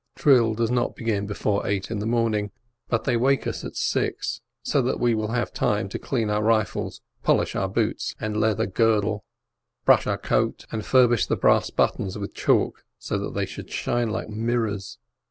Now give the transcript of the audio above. Drill does not begin before eight in the morning, but they wake us at six, so that we may have time to clean our rifles, polish our boots and leather girdle, brush our coat, and furbish the brass buttons with chalk, so that they should shine like mirrors.